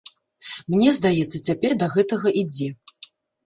Мне здаецца, цяпер да гэтага ідзе.